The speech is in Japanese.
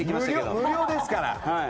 無料ですからね。